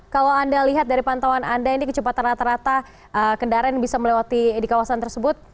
kalau anda lihat dari pantauan anda ini kecepatan rata rata kendaraan yang bisa melewati di kawasan tersebut